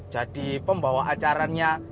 jadi pembawa acaranya